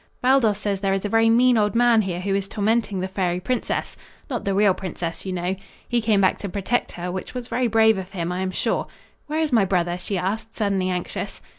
"Baldos says there is a very mean old man here who is tormenting the fairy princess not the real princess, you know. He came back to protect her, which was very brave of him, I am sure. Where is my brother?" she asked, suddenly anxious.